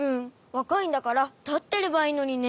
わかいんだからたってればいいのにね。